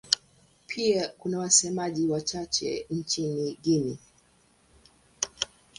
Pia kuna wasemaji wachache nchini Guinea.